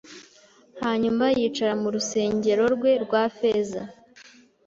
hanyuma yicara mu rusengero rwe rwa feza